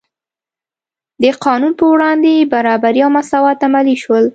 د قانون په وړاندې برابري او مساوات عملي شول.